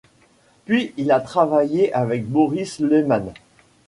Puis, il a travaillé avec Boris Lehman.